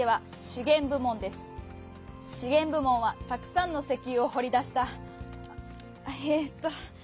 「資源部門」はたくさんのせきゆをほり出したえっと。